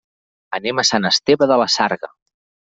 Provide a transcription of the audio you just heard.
Anem a Sant Esteve de la Sarga.